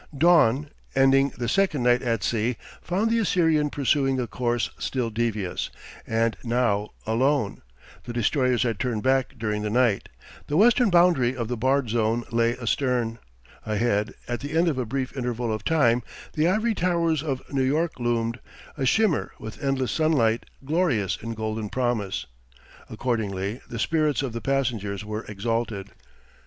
Dawn, ending the second night at sea, found the Assyrian pursuing a course still devious, and now alone; the destroyers had turned back during the night. The western boundary of the barred zone lay astern. Ahead, at the end of a brief interval of time, the ivory towers of New York loomed, a shimmer with endless sunlight, glorious in golden promise. Accordingly, the spirits of the passengers were exalted.